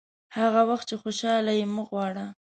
هغه وخت چې خوشاله یې مه غواړه.